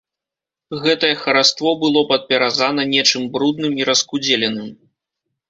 Гэтае хараство было падпяразана нечым брудным і раскудзеленым.